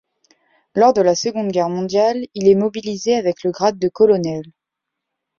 Lors de la Seconde Guerre mondiale, il est mobilisé avec le grade de colonel.